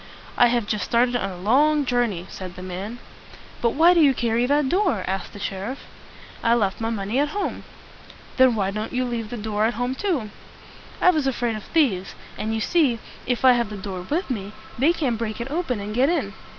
"I have just started on a long jour ney," said the man. "But why do you carry that door?" asked the sheriff. "I left my money at home." "Then why didn't you leave the door at home too?" "I was afraid of thieves; and you see, if I have the door with me, they can't break it open and get in."